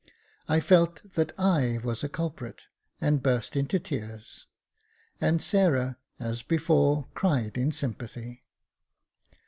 I felt that I was a culprit, and burst into tears ; and Sarah, as before, cried in sympathy.